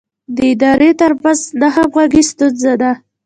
د ادارو ترمنځ نه همغږي ستونزه ده.